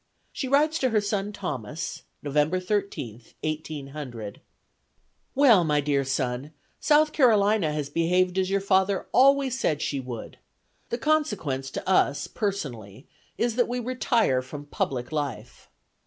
She writes to her son Thomas (November 13th, 1800): "Well, my dear son, South Carolina has behaved as your father always said she would. The consequence to us, personally, is, that we retire from public life.